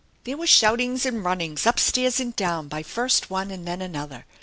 There were shoutings and runnings up stairs and down by first one and then another.